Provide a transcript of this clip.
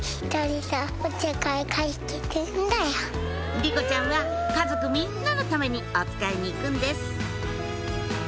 莉子ちゃんは家族みんなのためにおつかいに行くんです